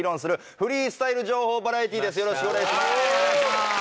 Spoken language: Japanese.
よろしくお願いしますよっ！